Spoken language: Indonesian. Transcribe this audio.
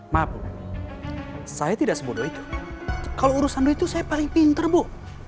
maaf bu saya tidak sebodoh itu kalau urusan duit itu saya paling pinter bu